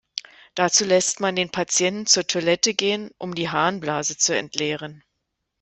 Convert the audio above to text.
Dazu lässt man den Patienten zur Toilette gehen, um die Harnblase zu entleeren.